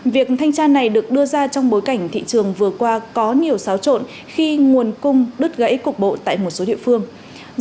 việc thanh tra này được đưa ra trong bối cảnh thị trường vừa qua có nhiều xáo trộn khi nguồn cung đứt gãy cục bộ tại một số địa phương